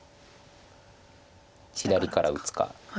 左から打つか。